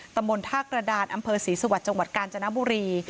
ตำบลท่ากระดานอำเภอศรีสวรรค์จังหวัดกาญจนบุรี